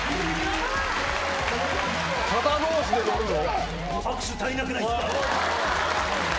肩同士で乗るの？